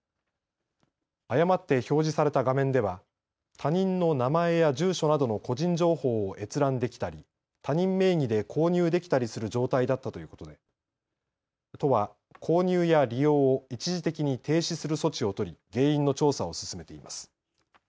誤って表示された画面では他人の名前や住所などの個人情報を閲覧できたり他人名義で購入できたりする状態だったということで都は購入や利用を一時的に停止する措置を取り原因の調査を進めています。